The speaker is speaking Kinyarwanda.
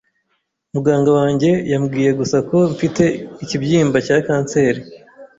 Muganga wanjye yambwiye gusa ko mfite ikibyimba cya kanseri.